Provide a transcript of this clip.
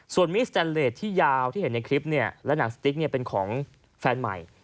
ส่วนมิสแตนเลสที่ยาวที่เห็นในคลิปเนี่ยและหนังสติ๊กเป็นของแฟนใหม่